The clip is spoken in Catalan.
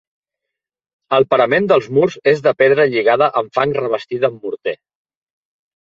El parament dels murs és de pedra lligada amb fang revestida amb morter.